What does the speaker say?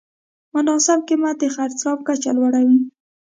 مناسب قیمت د خرڅلاو کچه لوړوي.